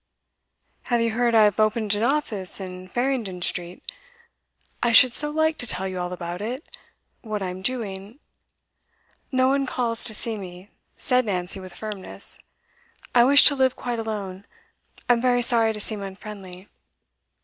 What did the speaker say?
'Have you heard I have opened an office in Farringdon Street? I should so like to tell you all about it what I'm doing ' 'No one calls to see me,' said Nancy, with firmness. 'I wish to live quite alone. I'm very sorry to seem unfriendly.